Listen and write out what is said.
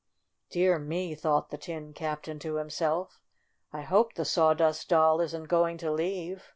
"Dear me!" thought the Tin Captain to himself, "I hope the Sawdust Doll isn't going to leave.